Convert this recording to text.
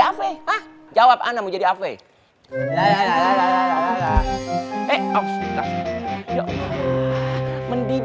av hah jawab anak mau jadi av eh ya allah mendidih darah anna naik memuncak irman gabung fadik mana